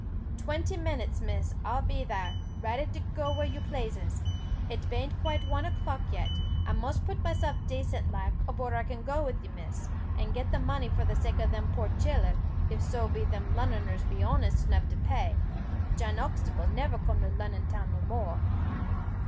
"Twenty minutes, Miss, I'll be there, raddy to go where you plases. It bain't quite one o'clock yet. I must put myself dacent like, avore I can go with you, Miss; and git the money for the sake of them poor chiller, if so be they Lunnoners be honest enough to pai. Jan Uxtable never come to Lunnon town no more."